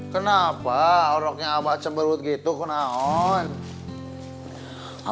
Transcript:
kenapa orangnya abah cebrut gitu kenapa